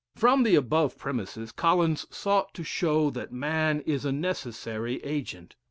From the above premises, Collins sought to show that man is a necessary agent.